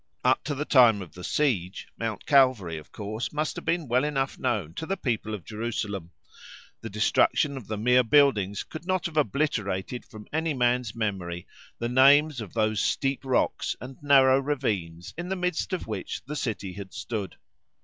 Up to the time of the siege Mount Calvary of course must have been well enough known to the people of Jerusalem; the destruction of the mere buildings could not have obliterated from any man's memory the names of those steep rocks and narrow ravines in the midst of which the city had stood.